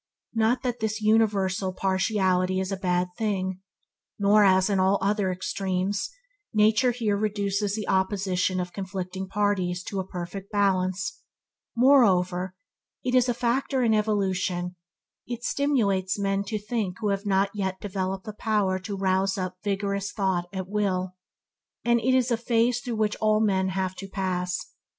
Not that this universal partiality is a bad thing, nor as in all other extremes, nature here reduces the oppositions of conflicting parties to a perfect balance; moreover, it is a factor in evolution; it stimulates men to think who have not yet developed the power to rouse up vigorous thought at will, and it is a phase through which all men have to pass.